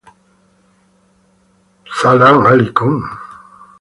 فایلونه منظم ساتئ؟